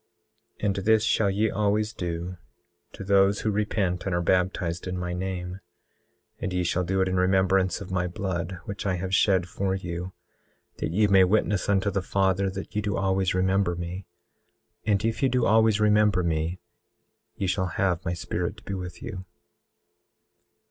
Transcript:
18:11 And this shall ye always do to those who repent and are baptized in my name; and ye shall do it in remembrance of my blood, which I have shed for you, that ye may witness unto the Father that ye do always remember me. And if ye do always remember me ye shall have my Spirit to be with you.